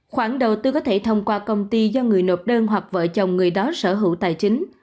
khoản đầu tư có thể thông qua công ty do người nộp đơn hoặc vợ chồng người đó sở hữu tài chính